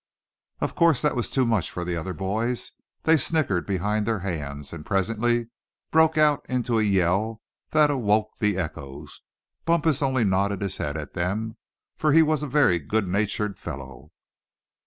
Of course that was too much for the other boys. They snickered behind their hands, and presently broke out into a yell that awoke the echoes. Bumpus only nodded his head at them, for he was a very good natured fellow.